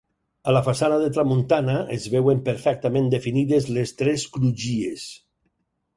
A la façana de tramuntana es veuen perfectament definides les tres crugies.